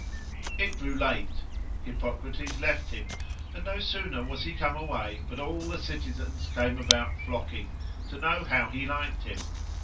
It grew late: Hippocrates left him; and no sooner was he come away, but all the citizens came about flocking, to know how he liked him.